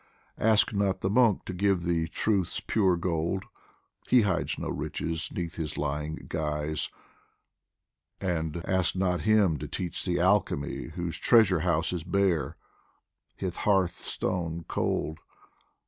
DIVAN OF HAFIZ Ask not the monk to give thee Truth's pure gold, He hides no riches 'neath his lying guise ; And ask not him to teach thee alchemy Whose treasure house is bare, his hearth stone cold.